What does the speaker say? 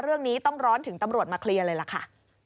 เรื่องนี้ต้องร้อนถึงตำรวจมาเคลียร์เลยล่ะค่ะ